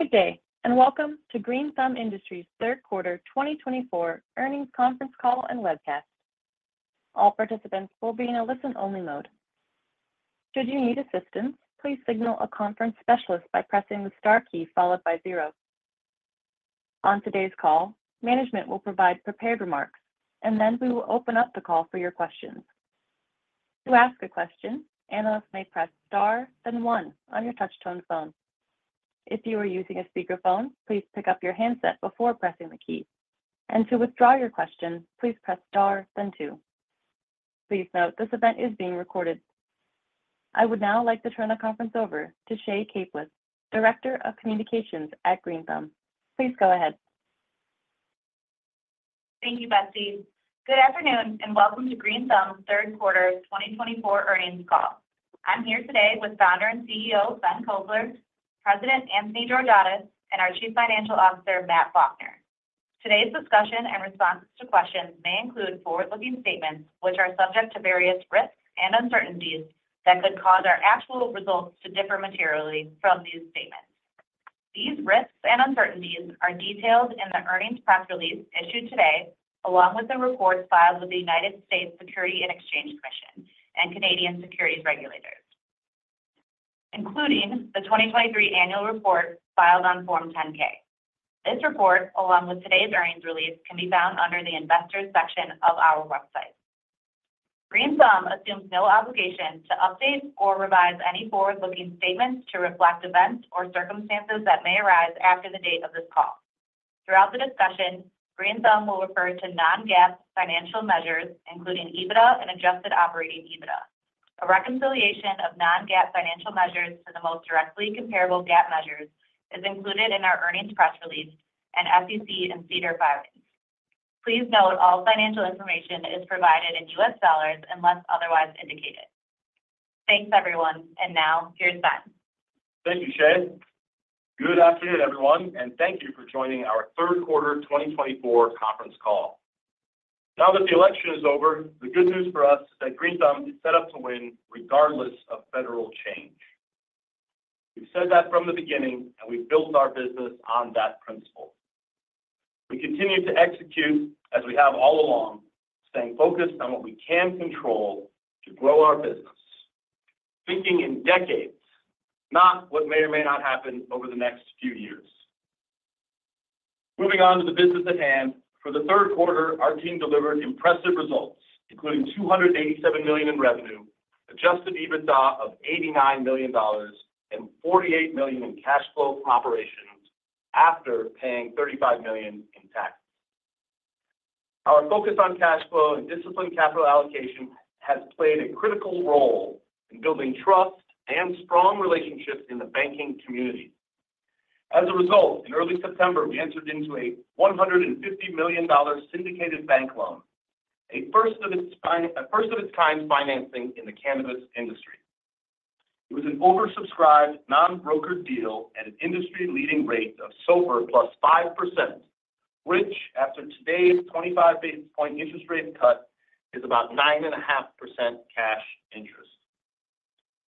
Good day, and welcome to Green Thumb Industries' third quarter 2024 earnings conference call and webcast. All participants will be in a listen-only mode. Should you need assistance, please signal a conference specialist by pressing the star key followed by zero. On today's call, management will provide prepared remarks, and then we will open up the call for your questions. To ask a question, analysts may press star, then one on your touch-tone phone. If you are using a speakerphone, please pick up your handset before pressing the key. And to withdraw your question, please press star, then two. Please note this event is being recorded. I would now like to turn the conference over to Shay Caplice, Director of Communications at Green Thumb. Please go ahead. Thank you, Betsy. Good afternoon, and welcome to Green Thumb's third quarter 2024 earnings call. I'm here today with founder and CEO Ben Kovler, President Anthony Georgiadis, and our Chief Financial Officer, Matt Faulkner. Today's discussion and responses to questions may include forward-looking statements, which are subject to various risks and uncertainties that could cause our actual results to differ materially from these statements. These risks and uncertainties are detailed in the earnings press release issued today, along with the reports filed with the United States Securities and Exchange Commission and Canadian securities regulators, including the 2023 annual report filed on Form 10-K. This report, along with today's earnings release, can be found under the Investors section of our website. Green Thumb assumes no obligation to update or revise any forward-looking statements to reflect events or circumstances that may arise after the date of this call. Throughout the discussion, Green Thumb will refer to non-GAAP financial measures, including EBITDA and adjusted operating EBITDA. A reconciliation of non-GAAP financial measures to the most directly comparable GAAP measures is included in our earnings press release and SEC and SEDAR+ filings. Please note all financial information is provided in U.S. dollars unless otherwise indicated. Thanks, everyone. And now, here's Ben. Thank you, Shay. Good afternoon, everyone, and thank you for joining our Third Quarter 2024 Conference Call. Now that the election is over, the good news for us is that Green Thumb is set up to win regardless of federal change. We've said that from the beginning, and we've built our business on that principle. We continue to execute, as we have all along, staying focused on what we can control to grow our business, thinking in decades, not what may or may not happen over the next few years. Moving on to the business at hand, for the third quarter, our team delivered impressive results, including $287 million in revenue, adjusted EBITDA of $89 million, and $48 million in cash flow from operations after paying $35 million in taxes. Our focus on cash flow and disciplined capital allocation has played a critical role in building trust and strong relationships in the banking community. As a result, in early September, we entered into a $150 million syndicated bank loan, a first-of-its-kind financing in the cannabis industry. It was an oversubscribed, non-brokered deal at an industry-leading rate of SOFR plus 5%, which, after today's 25-point interest rate cut, is about 9.5% cash interest.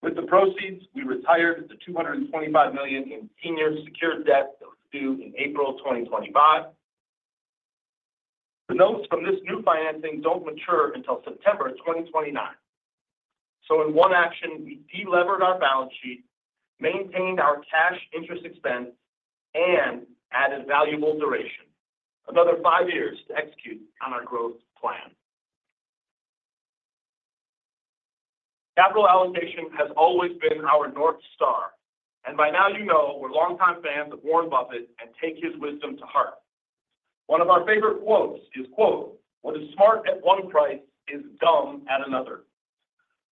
With the proceeds, we retired the $225 million in senior secured debt that was due in April 2025. The notes from this new financing don't mature until September 2029. So, in one action, we delevered our balance sheet, maintained our cash interest expense, and added valuable duration, another five years to execute on our growth plan. Capital allocation has always been our North Star, and by now you know we're longtime fans of Warren Buffett and take his wisdom to heart. One of our favorite quotes is, "What is smart at one price is dumb at another."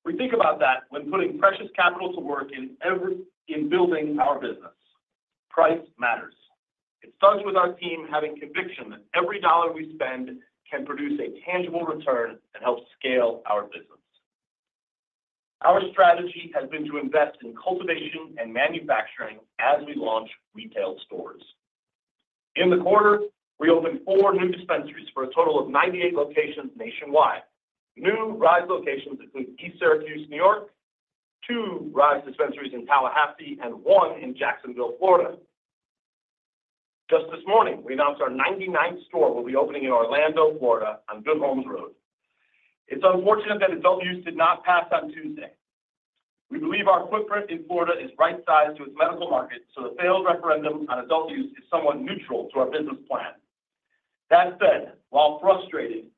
We think about that when putting precious capital to work in building our business. Price matters. It starts with our team having conviction that every dollar we spend can produce a tangible return that helps scale our business. Our strategy has been to invest in cultivation and manufacturing as we launch retail stores. In the quarter, we opened four new dispensaries for a total of 98 locations nationwide. New RISE locations include East Syracuse, New York, two RISE dispensaries in Tallahassee, and one in Jacksonville, Florida. Just this morning, we announced our 99th store will be opening in Orlando, Florida, on Good Homes Road. It's unfortunate that adult use did not pass on Tuesday. We believe our footprint in Florida is right-sized to its medical market, so the failed referendum on adult use is somewhat neutral to our business plan. That said, while frustrated,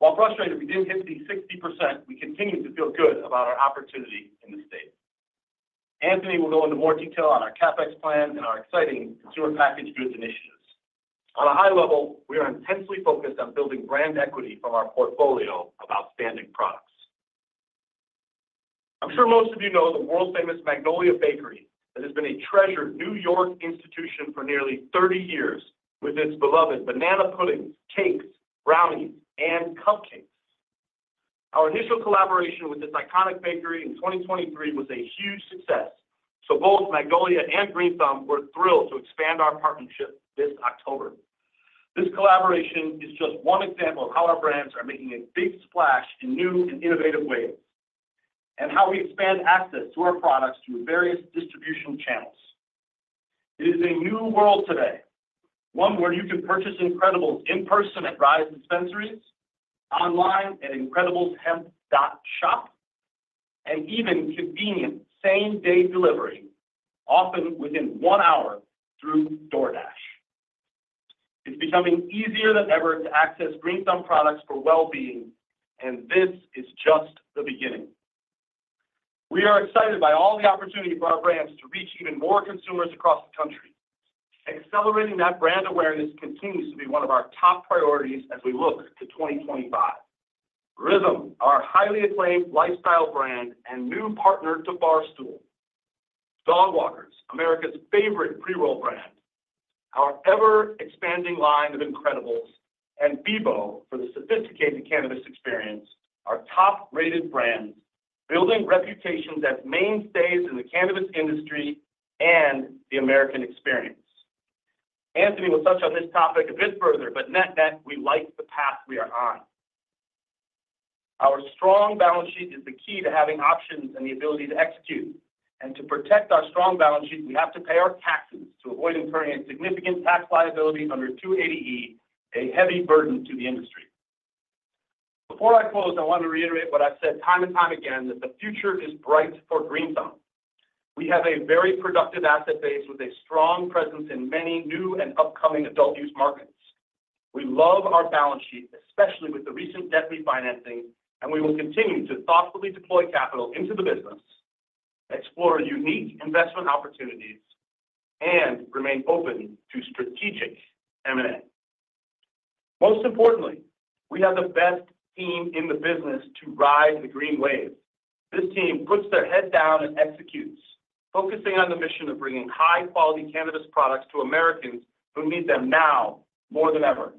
we didn't hit the 60%, we continue to feel good about our opportunity in the state. Anthony will go into more detail on our CapEx plan and our exciting consumer packaged goods initiatives. On a high level, we are intensely focused on building brand equity from our portfolio of outstanding products. I'm sure most of you know the world-famous Magnolia Bakery that has been a treasured New York institution for nearly 30 years with its beloved banana puddings, cakes, brownies, and cupcakes. Our initial collaboration with this iconic bakery in 2023 was a huge success, so both Magnolia and Green Thumb were thrilled to expand our partnership this October. This collaboration is just one example of how our brands are making a big splash in new and innovative ways, and how we expand access to our products through various distribution channels. It is a new world today, one where you can purchase Incredibles in person at RISE dispensaries, online at IncrediblesHemp.shop, and even convenient same-day delivery, often within one hour through DoorDash. It's becoming easier than ever to access Green Thumb products for well-being, and this is just the beginning. We are excited by all the opportunity for our brands to reach even more consumers across the country. Accelerating that brand awareness continues to be one of our top priorities as we look to 2025. RYTHM, our highly acclaimed lifestyle brand, and new partner to Barstool. Dogwalkers, America's favorite pre-roll brand. Our ever-expanding line of Incredibles and Beboe for the sophisticated cannabis experience, our top-rated brands, building reputations as mainstays in the cannabis industry and the American experience. Anthony will touch on this topic a bit further, but net-net, we like the path we are on. Our strong balance sheet is the key to having options and the ability to execute, and to protect our strong balance sheet, we have to pay our taxes to avoid incurring a significant tax liability under 280E, a heavy burden to the industry. Before I close, I want to reiterate what I've said time and time again, that the future is bright for Green Thumb. We have a very productive asset base with a strong presence in many new and upcoming adult use markets. We love our balance sheet, especially with the recent debt refinancing, and we will continue to thoughtfully deploy capital into the business, explore unique investment opportunities, and remain open to strategic M&A. Most importantly, we have the best team in the business to ride the green wave. This team puts their head down and executes, focusing on the mission of bringing high-quality cannabis products to Americans who need them now more than ever.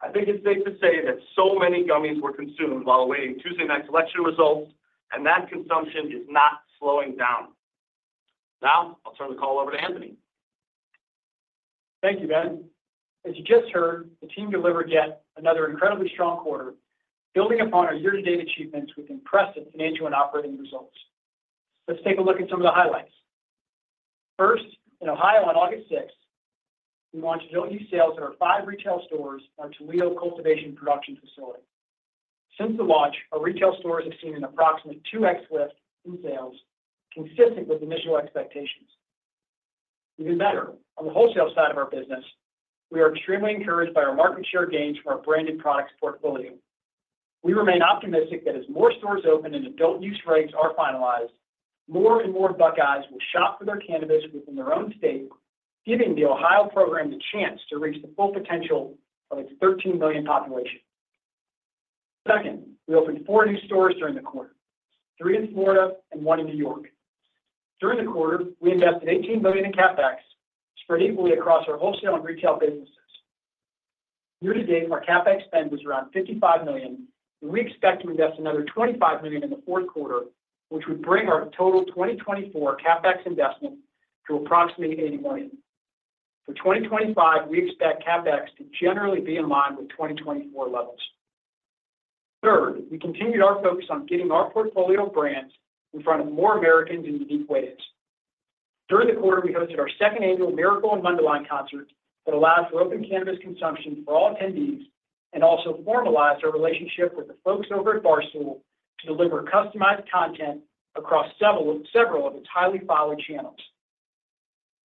I think it's safe to say that so many gummies were consumed while awaiting Tuesday night's election results, and that consumption is not slowing down. Now, I'll turn the call over to Anthony. Thank you, Ben. As you just heard, the team delivered yet another incredibly strong quarter, building upon our year-to-date achievements with impressive financial and operating results. Let's take a look at some of the highlights. First, in Ohio on August 6, we launched adult use sales at our five retail stores and our Toledo cultivation production facility. Since the launch, our retail stores have seen an approximate 2x lift in sales, consistent with initial expectations. Even better, on the wholesale side of our business, we are extremely encouraged by our market share gains from our branded products portfolio. We remain optimistic that as more stores open and adult use regs are finalized, more and more Buckeyes will shop for their cannabis within their own state, giving the Ohio program the chance to reach the full potential of its 13 million population. Second, we opened four new stores during the quarter, three in Florida and one in New York. During the quarter, we invested $18 million in CapEx, spread equally across our wholesale and retail businesses. Year-to-date, our CapEx spend was around $55 million, and we expect to invest another $25 million in the fourth quarter, which would bring our total 2024 CapEx investment to approximately $80 million. For 2025, we expect CapEx to generally be in line with 2024 levels. Third, we continued our focus on getting our portfolio of brands in front of more Americans in unique ways. During the quarter, we hosted our second annual Miracle in Mundelein concert that allowed for open cannabis consumption for all attendees and also formalized our relationship with the folks over at Barstool to deliver customized content across several of its highly followed channels.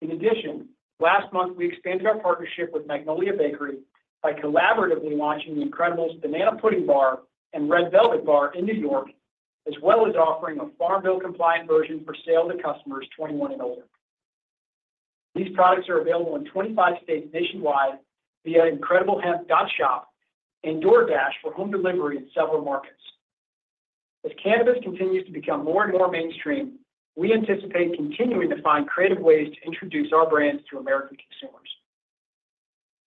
In addition, last month, we expanded our partnership with Magnolia Bakery by collaboratively launching the Incredibles Banana Pudding Bar and Red Velvet Bar in New York, as well as offering a Farm Bill-compliant version for sale to customers 21 and older. These products are available in 25 states nationwide via IncrediblesHemp.shop and DoorDash for home delivery in several markets. As cannabis continues to become more and more mainstream, we anticipate continuing to find creative ways to introduce our brands to American consumers.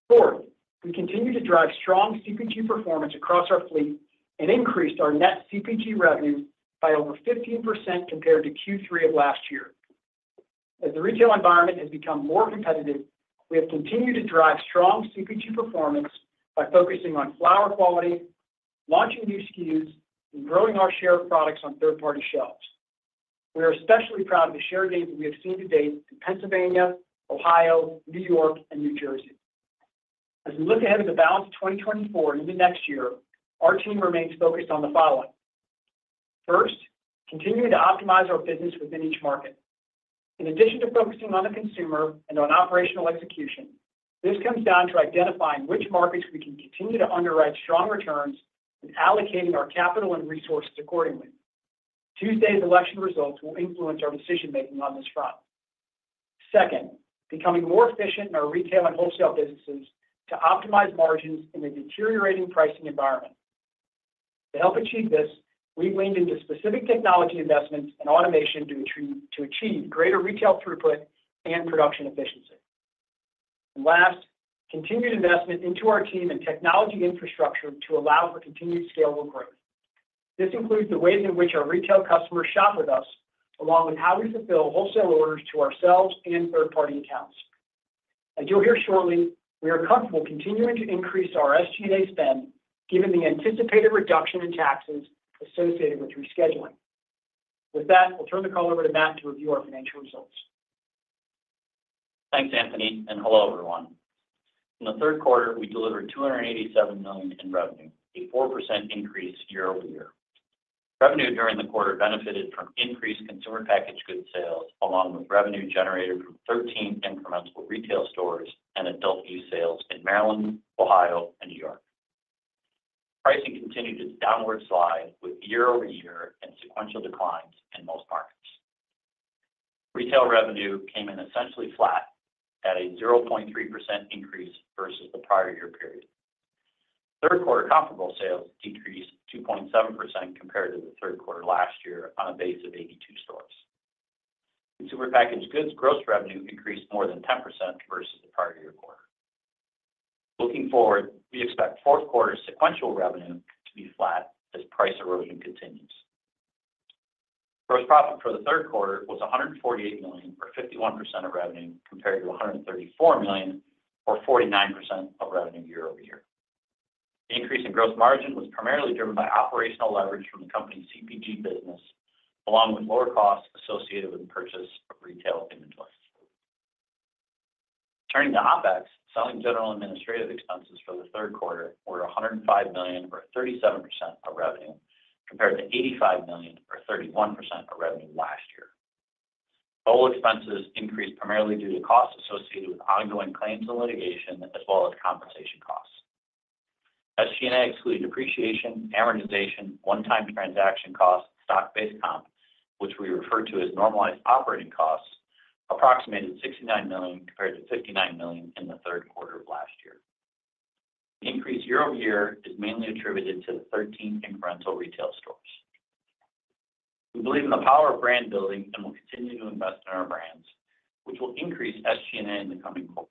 Fourth, we continue to drive strong CPG performance across our fleet and increased our net CPG revenue by over 15% compared to Q3 of last year. As the retail environment has become more competitive, we have continued to drive strong CPG performance by focusing on flower quality, launching new SKUs, and growing our share of products on third-party shelves. We are especially proud of the share gains that we have seen to date in Pennsylvania, Ohio, New York, and New Jersey. As we look ahead to the balance of 2024 and into next year, our team remains focused on the following. First, continuing to optimize our business within each market. In addition to focusing on the consumer and on operational execution, this comes down to identifying which markets we can continue to underwrite strong returns and allocating our capital and resources accordingly. Tuesday's election results will influence our decision-making on this front. Second, becoming more efficient in our retail and wholesale businesses to optimize margins in a deteriorating pricing environment. To help achieve this, we leaned into specific technology investments and automation to achieve greater retail throughput and production efficiency. And last, continued investment into our team and technology infrastructure to allow for continued scalable growth. This includes the ways in which our retail customers shop with us, along with how we fulfill wholesale orders to ourselves and third-party accounts. As you'll hear shortly, we are comfortable continuing to increase our SG&A spend given the anticipated reduction in taxes associated with rescheduling. With that, we'll turn the call over to Matt to review our financial results. Thanks, Anthony, and hello, everyone. In the third quarter, we delivered $287 million in revenue, a 4% increase year over year. Revenue during the quarter benefited from increased consumer packaged goods sales, along with revenue generated from 13 incremental retail stores and adult use sales in Maryland, Ohio, and New York. Pricing continued to downward slide year over year, and sequential declines in most markets. Retail revenue came in essentially flat at a 0.3% increase versus the prior year period. Third-quarter comparable sales decreased 2.7% compared to the third quarter last year on a base of 82 stores. Consumer packaged goods gross revenue increased more than 10% versus the prior year quarter. Looking forward, we expect fourth quarter sequential revenue to be flat as price erosion continues. Gross profit for the third quarter was $148 million, or 51% of revenue, compared to $134 million, or 49% of revenue year over year. The increase in gross margin was primarily driven by operational leverage from the company's CPG business, along with lower costs associated with the purchase of retail inventory. Turning to OpEx, selling general administrative expenses for the third quarter were $105 million, or 37% of revenue, compared to $85 million, or 31% of revenue last year. Total expenses increased primarily due to costs associated with ongoing claims and litigation, as well as compensation costs. SG&A excluded depreciation, amortization, one-time transaction costs, and stock-based comp, which we refer to as normalized operating costs, approximated $69 million compared to $59 million in the third quarter of last year. The increase year-over-year is mainly attributed to the 13 incremental retail stores. We believe in the power of brand building and will continue to invest in our brands, which will increase SG&A in the coming quarters.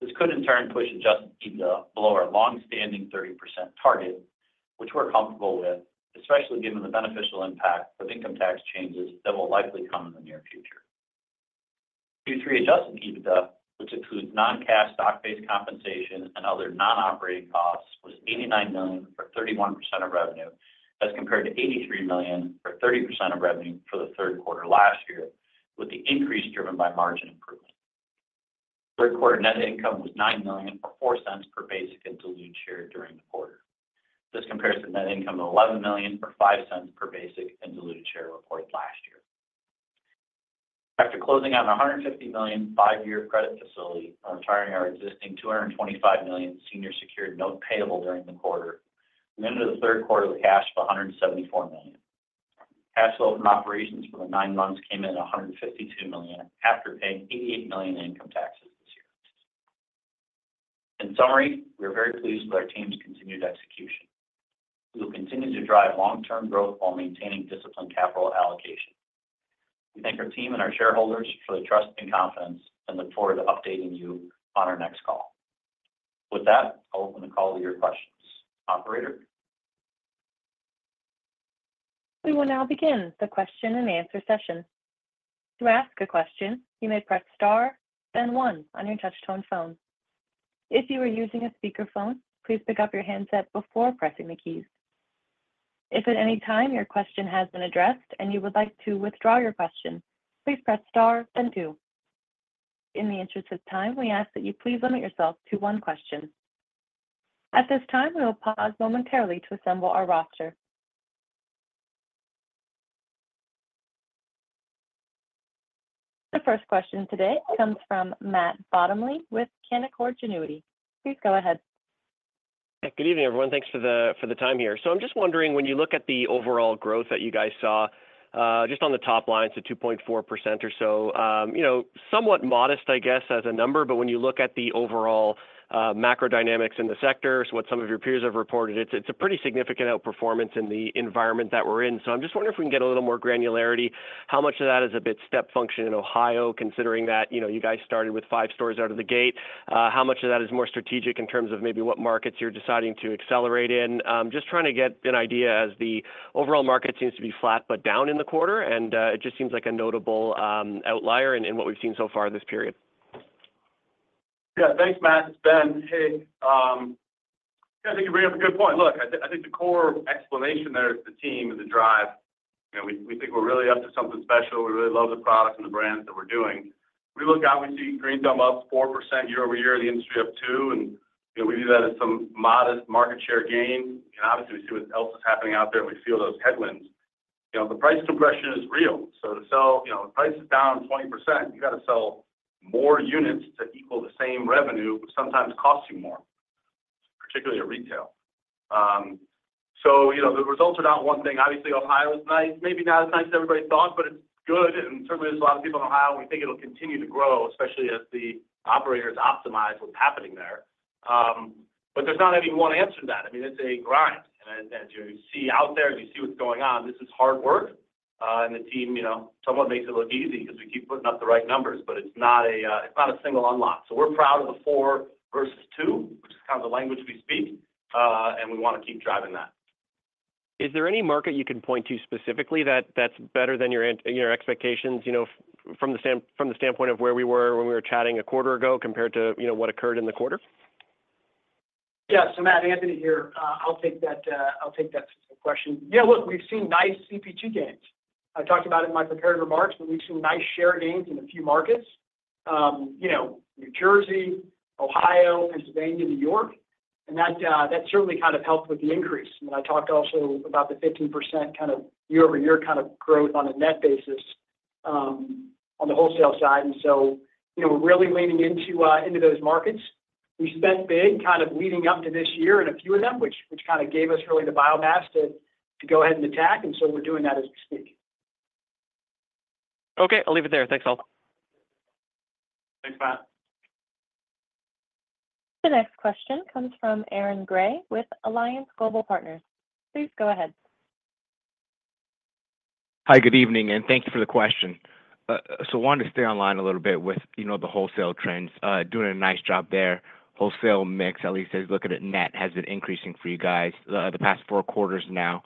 This could, in turn, push adjusted EBITDA below our long-standing 30% target, which we're comfortable with, especially given the beneficial impact of income tax changes that will likely come in the near future. Q3 adjusted EBITDA, which includes non-cash stock-based compensation and other non-operating costs, was $89 million, or 31% of revenue, as compared to $83 million, or 30% of revenue, for the third quarter last year, with the increase driven by margin improvement. Third-quarter net income was $9 million, or $0.04 per basic and diluted share during the quarter. This compares to net income of $11 million, or $0.05 per basic and diluted share reported last year. After closing out a $150 million five-year credit facility and retiring our existing $225 million senior secured note payable during the quarter, we entered the third quarter with cash of $174 million. Cash flow from operations for the nine months came in at $152 million after paying $88 million in income taxes this year. In summary, we are very pleased with our team's continued execution. We will continue to drive long-term growth while maintaining disciplined capital allocation. We thank our team and our shareholders for their trust and confidence and look forward to updating you on our next call. With that, I'll open the call to your questions. Operator? We will now begin the question and answer session. To ask a question, you may press star, then one on your touch-tone phone. If you are using a speakerphone, please pick up your handset before pressing the keys. If at any time your question has been addressed and you would like to withdraw your question, please press star, then two. In the interest of time, we ask that you please limit yourself to one question. At this time, we will pause momentarily to assemble our roster. The first question today comes from Matt Bottomley with Canaccord Genuity. Please go ahead. Yeah, good evening, everyone. Thanks for the time here. So I'm just wondering, when you look at the overall growth that you guys saw, just on the top line, so 2.4% or so, somewhat modest, I guess, as a number, but when you look at the overall macro dynamics in the sector, what some of your peers have reported, it's a pretty significant outperformance in the environment that we're in. So I'm just wondering if we can get a little more granularity. How much of that is a bit step function in Ohio, considering that you guys started with five stores out of the gate? How much of that is more strategic in terms of maybe what markets you're deciding to accelerate in? Just trying to get an idea as the overall market seems to be flat but down in the quarter, and it just seems like a notable outlier in what we've seen so far this period. Yeah, thanks, Matt. It's Ben. Hey, I think you bring up a good point. Look, I think the core explanation there is the team and the drive. We think we're really up to something special. We really love the products and the brands that we're doing. We look out, we see Green Thumb up 4% year-over-year, the industry up 2%, and we view that as some modest market share gain, and obviously, we see what else is happening out there, and we feel those headwinds. The price compression is real. So to sell, if price is down 20%, you got to sell more units to equal the same revenue, which sometimes costs you more, particularly at retail, so the results are not one thing. Obviously, Ohio is nice, maybe not as nice as everybody thought, but it's good, and certainly, there's a lot of people in Ohio. We think it'll continue to grow, especially as the operators optimize what's happening there. But there's not any one answer to that. I mean, it's a grind. And as you see out there, as you see what's going on, this is hard work. And the team somewhat makes it look easy because we keep putting up the right numbers, but it's not a single unlock. So we're proud of the four versus two, which is kind of the language we speak, and we want to keep driving that. Is there any market you can point to specifically that's better than your expectations from the standpoint of where we were when we were chatting a quarter ago compared to what occurred in the quarter? Yeah, so Matt, Anthony here. I'll take that question. Yeah, look, we've seen nice CPG gains. I talked about it in my prepared remarks, but we've seen nice share gains in a few markets: New Jersey, Ohio, Pennsylvania, New York. And that certainly kind of helped with the increase. I mean, I talked also about the 15% kind of year-over-year kind of growth on a net basis on the wholesale side. And so we're really leaning into those markets. We spent big kind of leading up to this year in a few of them, which kind of gave us really the biomass to go ahead and attack. And so we're doing that as we speak. Okay, I'll leave it there. Thanks, all. Thanks, Matt. The next question comes from Aaron Grey with Alliance Global Partners. Please go ahead. Hi, good evening, and thank you for the question, so I wanted to stay online a little bit with the wholesale trends. Doing a nice job there. Wholesale mix, at least as you look at it net, has been increasing for you guys the past four quarters now.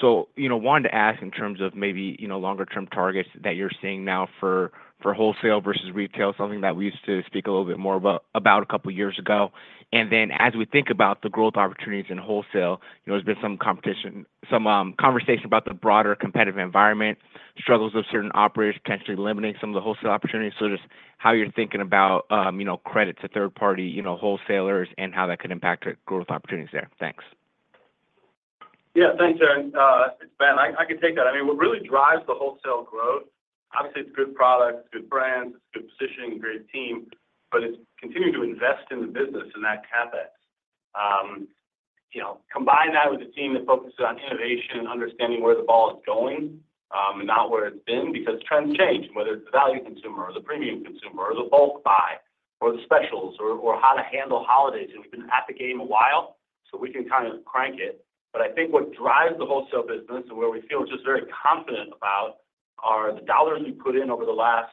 So I wanted to ask in terms of maybe longer-term targets that you're seeing now for wholesale versus retail, something that we used to speak a little bit more about a couple of years ago, and then as we think about the growth opportunities in wholesale, there's been some conversation about the broader competitive environment, struggles of certain operators, potentially limiting some of the wholesale opportunities, so just how you're thinking about credit to third-party wholesalers and how that could impact growth opportunities there. Thanks. Yeah, thanks, Aaron. It's Ben. I can take that. I mean, what really drives the wholesale growth, obviously. It's good products, good brands, it's good positioning, great team, but it's continuing to invest in the business and that CapEx. Combine that with a team that focuses on innovation and understanding where the ball is going and not where it's been because trends change. Whether it's the value consumer or the premium consumer or the bulk buy or the specials or how to handle holidays, and we've been at the game a while, so we can kind of crank it. But I think what drives the wholesale business and where we feel just very confident about are the dollars we put in over the last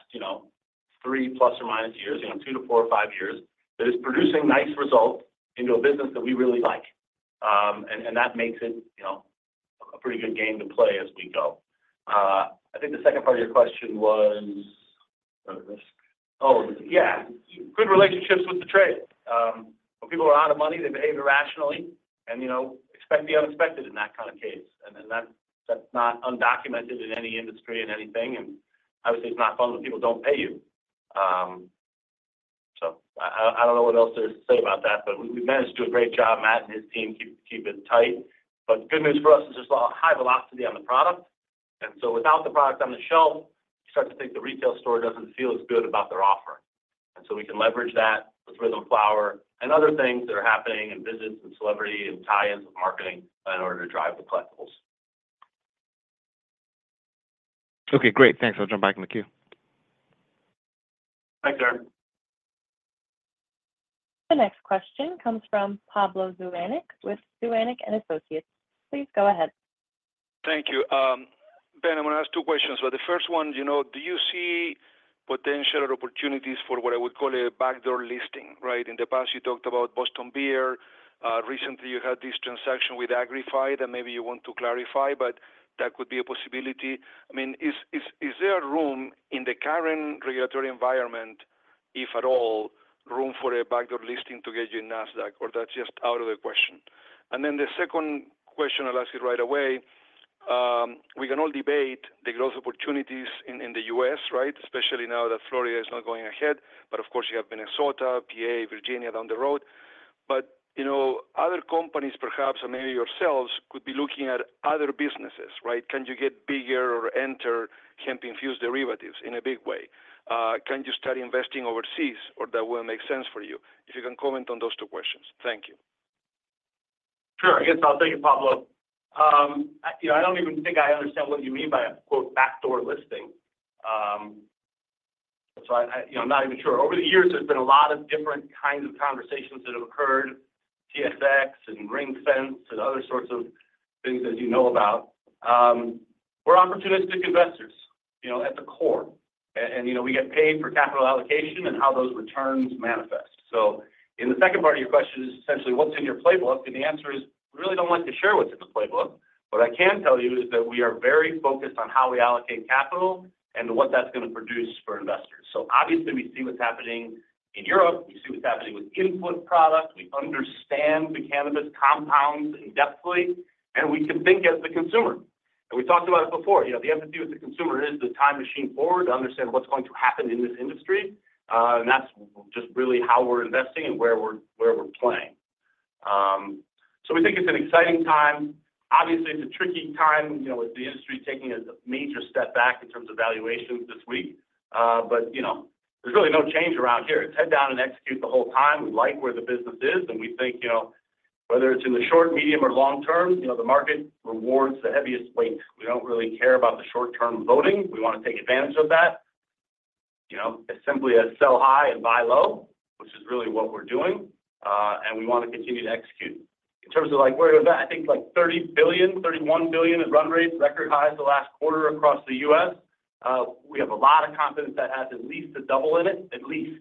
three plus or minus years, two to four or five years, that is producing nice results into a business that we really like. That makes it a pretty good game to play as we go. I think the second part of your question was, oh, yeah, good relationships with the trade. When people are out of money, they behave irrationally and expect the unexpected in that kind of case. That's not undocumented in any industry and anything. Obviously, it's not fun when people don't pay you. I don't know what else to say about that, but we've managed to do a great job, Matt and his team, keeping it tight. The good news for us is there's a lot of high velocity on the product. Without the product on the shelf, you start to think the retail store doesn't feel as good about their offer. And so we can leverage that with RYTHM Flower and other things that are happening and business and celebrity and tie-ins with marketing in order to drive the collectibles. Okay, great. Thanks. I'll jump back in the queue. Thanks, Aaron. The next question comes from Pablo Zuanic with Zuanic & Associates. Please go ahead. Thank you. Ben, I want to ask two questions. But the first one, do you see potential or opportunities for what I would call a backdoor listing, right? In the past, you talked about Boston Beer. Recently, you had this transaction with Agrify that maybe you want to clarify, but that could be a possibility. I mean, is there room in the current regulatory environment, if at all, room for a backdoor listing to get you in Nasdaq, or that's just out of the question? And then the second question I'll ask you right away. We can all debate the growth opportunities in the US, right, especially now that Florida is not going ahead. But of course, you have Minnesota, PA, Virginia down the road. But other companies, perhaps, and maybe yourselves, could be looking at other businesses, right? Can you get bigger or enter hemp-infused derivatives in a big way? Can you start investing overseas, or will that make sense for you? If you can comment on those two questions. Thank you. Sure. I guess I'll take it, Pablo. I don't even think I understand what you mean by a "backdoor listing." So I'm not even sure. Over the years, there's been a lot of different kinds of conversations that have occurred, TSX and ring fence and other sorts of things as you know about. We're opportunistic investors at the core. And we get paid for capital allocation and how those returns manifest. So in the second part of your question is essentially what's in your playbook. And the answer is we really don't like to share what's in the playbook. What I can tell you is that we are very focused on how we allocate capital and what that's going to produce for investors. So obviously, we see what's happening in Europe. We see what's happening with input product. We understand the cannabis compounds in depth, and we can think as the consumer, and we talked about it before. The empathy with the consumer is the time machine forward to understand what's going to happen in this industry, and that's just really how we're investing and where we're playing, so we think it's an exciting time. Obviously, it's a tricky time with the industry taking a major step back in terms of valuations this week, but there's really no change around here. It's head down and execute the whole time. We like where the business is, and we think whether it's in the short, medium, or long term, the market rewards the heaviest weight. We don't really care about the short-term voting. We want to take advantage of that. As simply as sell high and buy low, which is really what we're doing. We want to continue to execute. In terms of where it was at, I think like $30 billion, $31 billion in run rates, record highs the last quarter across the U.S. We have a lot of confidence that has at least a double in it, at least.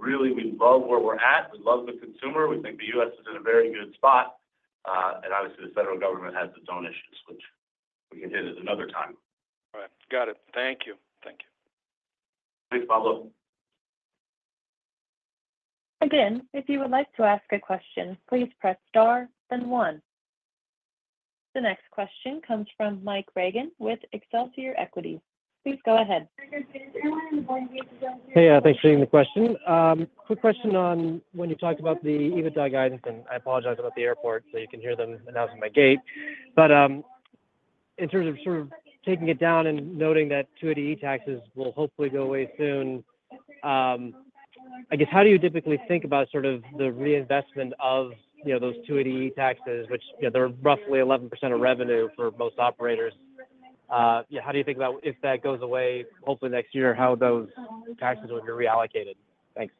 Really, we love where we're at. We love the consumer. We think the U.S. is in a very good spot. Obviously, the federal government has its own issues, which we can hit at another time. All right. Got it. Thank you. Thank you. Thanks, Pablo. Again, if you would like to ask a question, please press star, then one. The next question comes from Mike Regan with Excelsior Equities. Please go ahead. Hey, yeah, thanks for taking the question. Quick question on when you talked about the EBITDA discussion. I apologize about the airport so you can hear them announcing my gate. But in terms of sort of taking it down and noting that 280E taxes will hopefully go away soon, I guess, how do you typically think about sort of the reinvestment of those 280E taxes, which they're roughly 11% of revenue for most operators? How do you think about if that goes away, hopefully next year, how those taxes will be reallocated? Thanks.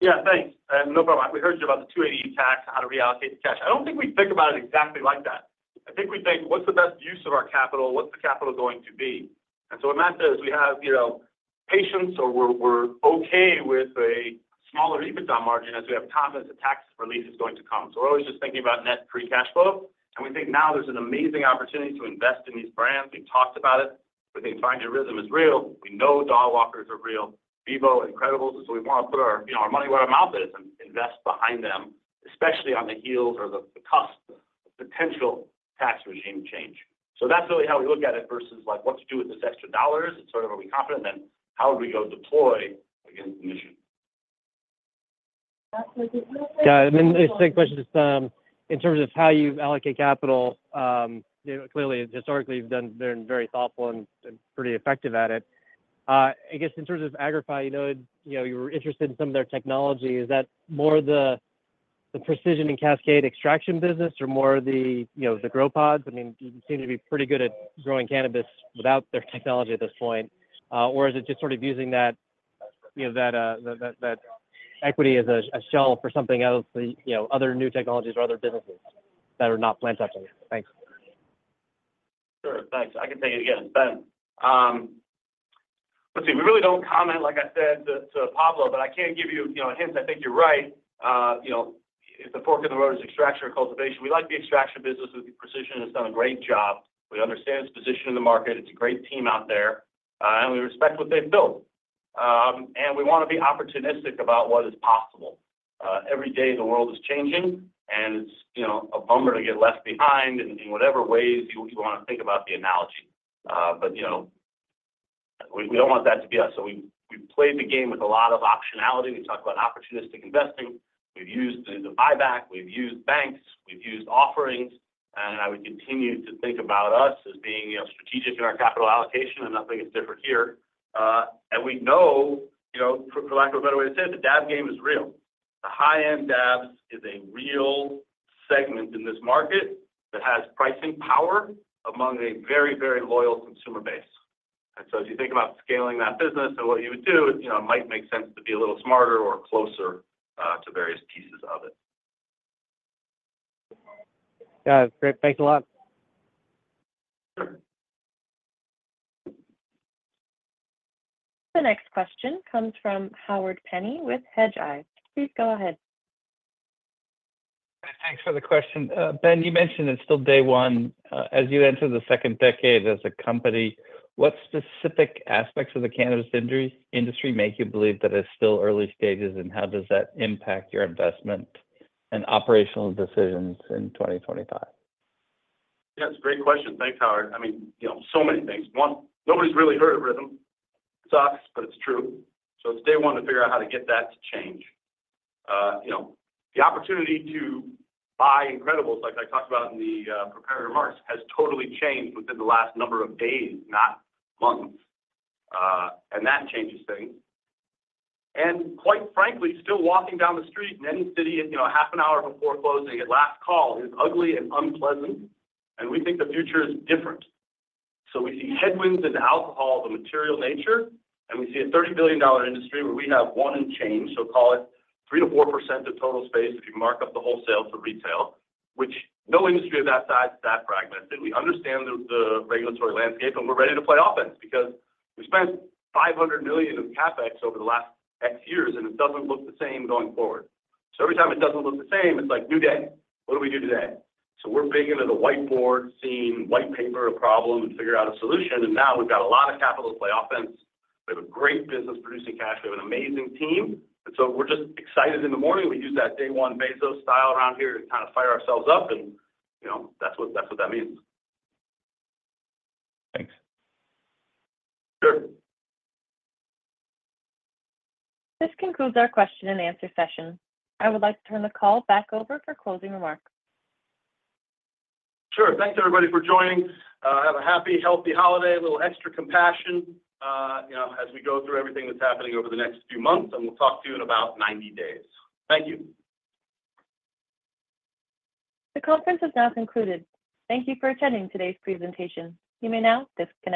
Yeah, thanks. No problem. We heard you about the 280E tax, how to reallocate the cash. I don't think we think about it exactly like that. I think we think, what's the best use of our capital? What's the capital going to be? And so what Matt says, we have patience or we're okay with a smaller EBITDA margin as we have confidence that tax relief is going to come. So we're always just thinking about net free cash flow. And we think now there's an amazing opportunity to invest in these brands. We've talked about it. We think RYTHM is real. We know Dogwalkers are real, Beboe, Incredibles. And so we want to put our money where our mouth is and invest behind them, especially on the heels or the cusp of potential tax regime change. So that's really how we look at it versus what to do with this extra dollars. It's sort of, are we confident? Then how do we go deploy against the mission? Yeah. And then the same question is in terms of how you allocate capital. Clearly, historically, you've been very thoughtful and pretty effective at it. I guess in terms of Agrify, you were interested in some of their technology. Is that more the Precision and Cascade extraction business or more the grow pods? I mean, you seem to be pretty good at growing cannabis without their technology at this point. Or is it just sort of using that equity as a shell for something else, other new technologies or other businesses that are not plant-touching? Thanks. Sure. Thanks. I can take it again, Ben. Let's see. We really don't comment, like I said, to Pablo, but I can give you a hint. I think you're right. If the fork in the road is extraction or cultivation, we like the extraction business with Precision. It's done a great job. We understand its position in the market. It's a great team out there. We respect what they've built. We want to be opportunistic about what is possible. Every day, the world is changing, and it's a bummer to get left behind in whatever ways you want to think about the analogy, but we don't want that to be us, so we've played the game with a lot of optionality. We talk about opportunistic investing. We've used the buyback. We've used banks. We've used offerings. I would continue to think about us as being strategic in our capital allocation. I'm not saying it's different here. We know, for lack of a better way to say it, the dab game is real. The high-end dabs is a real segment in this market that has pricing power among a very, very loyal consumer base. If you think about scaling that business and what you would do, it might make sense to be a little smarter or closer to various pieces of it. Yeah. Great. Thanks a lot. Sure. The next question comes from Howard Penney with Hedgeye. Please go ahead. Thanks for the question. Ben, you mentioned it's still day one. As you enter the second decade as a company, what specific aspects of the cannabis industry make you believe that it's still early stages? And how does that impact your investment and operational decisions in 2025? Yeah, it's a great question. Thanks, Howard. I mean, so many things. One, nobody's really heard of RYTHM. It sucks, but it's true. So it's day one to figure out how to get that to change. The opportunity to buy Incredibles, like I talked about in the preparatory remarks, has totally changed within the last number of days, not months, and that changes things, and quite frankly, still walking down the street in any city half an hour before closing at last call is ugly and unpleasant, and we think the future is different, so we see headwinds into alcohol, the material nature, and we see a $30 billion industry where we have one in change, so call it 3%-4% of total space if you mark up the wholesale to retail, which no industry of that size is that fragmented. We understand the regulatory landscape, and we're ready to play offense because we spent $500 million in CapEx over the last X years, and it doesn't look the same going forward. So every time it doesn't look the same, it's like, "New day. What do we do today?" So we're big into the whiteboard scene, white paper of problem and figure out a solution. And now we've got a lot of capital to play offense. We have a great business producing cash. We have an amazing team. And so we're just excited in the morning. We use that day one Bezos style around here to kind of fire ourselves up. And that's what that means. Thanks. Sure. This concludes our question and answer session. I would like to turn the call back over for closing remarks. Sure. Thanks, everybody, for joining. Have a happy, healthy holiday, a little extra compassion as we go through everything that's happening over the next few months, and we'll talk to you in about 90 days. Thank you. The conference is now concluded. Thank you for attending today's presentation. You may now disconnect.